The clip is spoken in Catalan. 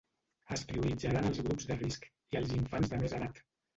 Es prioritzaran els grups de risc, i els infants de més edat.